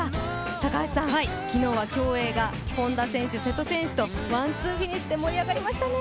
高橋さん、昨日は競泳が本多選手、瀬戸選手とワンツーフィニッシュで盛り上がりましたね。